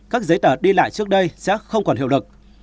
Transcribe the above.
các giấy tờ đi lại trước đây sẽ không còn hiệu lực